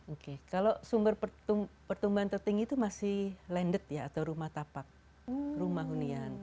oke kalau sumber pertumbuhan tertinggi itu masih landed ya atau rumah tapak rumah hunian